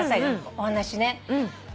お話ね。